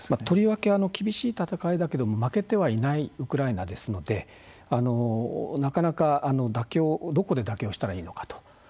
とりわけ厳しい戦いだけど負けてはいないウクライナですのでなかなかどこで妥協したらいいのかと。